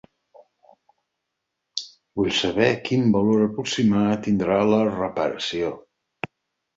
Vull saber quin valor aproximat tindrà la reparació.